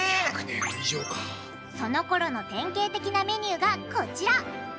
そのころの典型的なメニューがこちら。